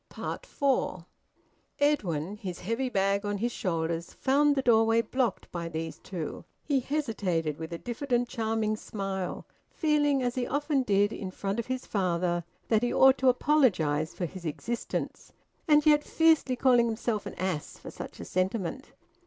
FOUR. Edwin, his heavy bag on his shoulders, found the doorway blocked by these two. He hesitated with a diffident charming smile, feeling, as he often did in front of his father, that he ought to apologise for his existence, and yet fiercely calling himself an ass for such a sentiment.